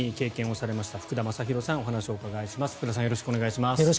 よろしくお願いします。